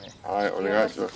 お願いします。